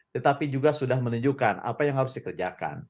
tetapi juga sudah menunjukkan apa yang harus dikerjakan